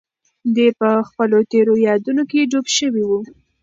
دی په خپلو تېرو یادونو کې ډوب شوی و.